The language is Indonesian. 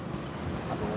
aduh lama banget sih